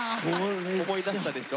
思い出したでしょ？